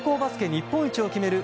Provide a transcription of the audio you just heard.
日本一を決める